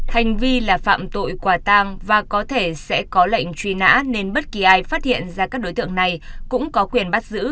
hành vi là phạm tội quả tang và có thể sẽ có lệnh truy nã nên bất kỳ ai phát hiện ra các đối tượng này cũng có quyền bắt giữ